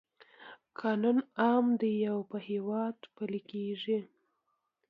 قانون عام دی او په هیواد پلی کیږي.